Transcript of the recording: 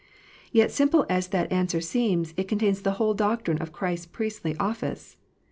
Yet simple as that answer seems, it con tains the whole doctrine of Christ s priestly office.